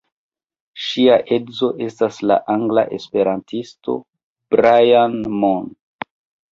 Ŝia edzo estas la angla esperantisto Brian Moon.